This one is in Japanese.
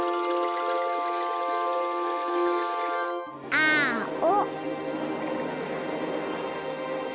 あお。